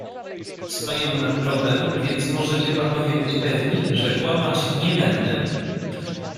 "Stoję nad grobem, więc możecie panowie być pewni, że kłamać nie będę."